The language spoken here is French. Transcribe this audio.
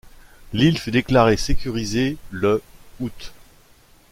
L'île fut déclarée sécurisée le août.